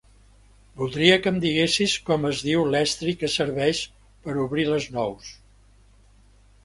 Voldria que em diguessis com es diu l'estri que serveix per obrir les nous.